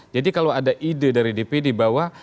jadi kalau ada ide dari dpd bahwa